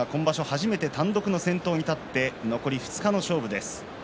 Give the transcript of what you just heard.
初めて単独の先頭に立って残り２日の勝負です。